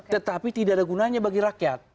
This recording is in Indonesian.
tetapi tidak ada gunanya bagi rakyat